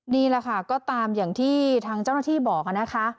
นี่แหละค่ะก็ตามอย่างที่ทางเจ้าหน้าที่บอกนะคะ